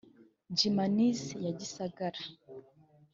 Gymnase ya Gisagara